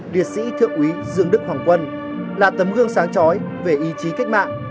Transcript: liệt sĩ thượng úy dương đức hoàng quân là tấm gương sáng trói về ý chí cách mạng